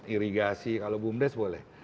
irigasi kalau bumdes boleh